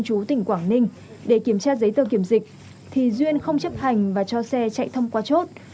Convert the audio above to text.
chú tỉnh quảng ninh để kiểm tra giấy tờ kiểm dịch thì duyên không chấp hành và cho xe chạy thông qua chốt